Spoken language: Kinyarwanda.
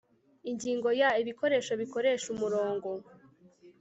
ingingo ya ibikoresho bikoresha umurongo